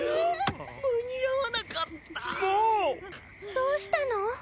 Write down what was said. どうしたの？